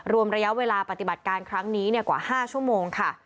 รวมระยะเวลาปฏิบัติการครั้งนี้กว่า๕ชั่วโมงค่ะ